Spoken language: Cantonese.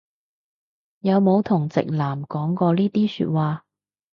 有冇同直男講過呢啲説話